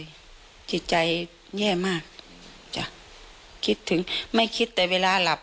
จิตใจแย่มากจ้ะคิดถึงไม่คิดแต่เวลาหลับ